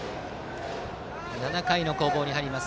７回の攻防に入ります。